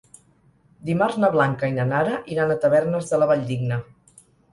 Dimarts na Blanca i na Nara iran a Tavernes de la Valldigna.